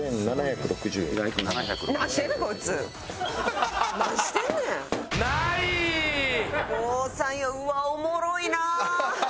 ５−３やうわおもろいな。